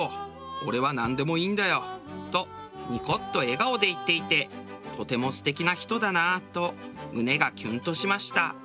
俺はなんでもいいんだよ」とニコッと笑顔で言っていてとても素敵な人だなあと胸がキュンとしました。